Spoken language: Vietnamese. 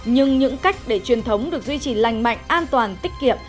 nhưng những cách để truyền thống được duy trì lành mạnh an toàn tích kiệm